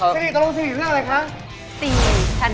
ซิลีกระดบ๔หน้าสินะคะ